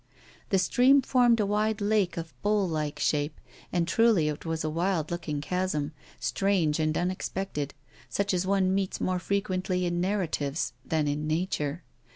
The stream formed a wide lake of bowl like shape, and truly it was a wild looking chasm, strange and unexpected, such as one meets more frequently in narratives than in nature.